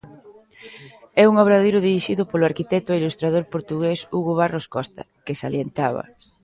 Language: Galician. É un obradoiro dirixido polo arquitecto e ilustrador portugués Hugo Barros Costa, que salientaba...